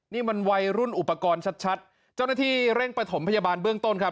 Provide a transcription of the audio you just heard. นี่มันวัยรุ่นอุปกรณ์ชัดเจ้าหน้าที่เร่งประถมพยาบาลเบื้องต้นครับ